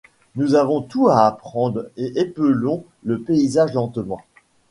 Nous avons tout à apprendre et épelons le paysage lentement.